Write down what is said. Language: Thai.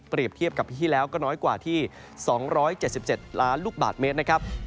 เทียบกับปีที่แล้วก็น้อยกว่าที่๒๗๗ล้านลูกบาทเมตรนะครับ